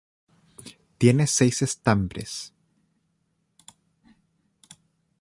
Tiene seis estambres.